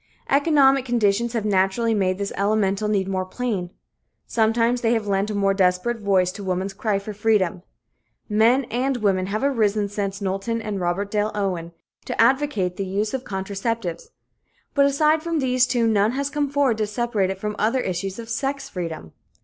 Economic conditions have naturally made this elemental need more plain; sometimes they have lent a more desperate voice to woman's cry for freedom. Men and women have arisen since Knowlton and Robert Dale Owen, to advocate the use of contraceptives, but aside from these two none has come forward to separate it from other issues of sex freedom.